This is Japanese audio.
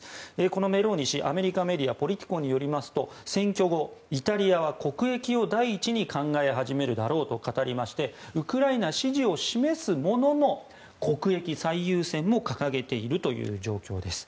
このメローニ氏アメリカメディアポリティコによりますと選挙後、イタリアは国益を第一に考え始めるだろうと言っていまして、イタリアは国益最優先を掲げているという状況です。